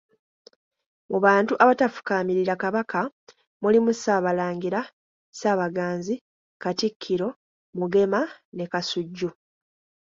Mu bantu abatafukaamirira Kabaka mulimu Ssaabalangira, Ssaabaganzi, Katikkiro, Mugema ne Kasujju.